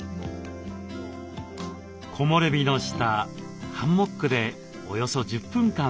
木漏れ日の下ハンモックでおよそ１０分間リラックス。